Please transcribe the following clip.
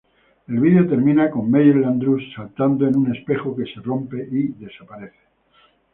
El video termina con Meyer-Landrut saltando en un espejo, que se rompe y desaparece.